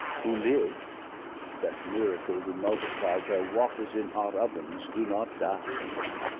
Who live, that miracle do multiply Where walkers in hot Ovens, doe not dye.